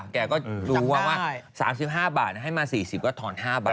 แกก็รู้ว่า๓๕บาทให้มา๔๐ก็ถอน๕บาท